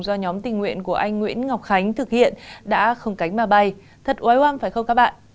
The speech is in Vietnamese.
do nhóm tình nguyện của anh nguyễn ngọc khánh thực hiện đã không cánh mà bay thật oái oam phải không các bạn